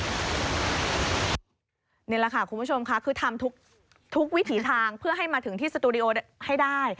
นี่แหละค่ะคุณผู้ชมค่ะคือทำทุกวิถีทางเพื่อให้มาถึงที่สตูดิโอให้ได้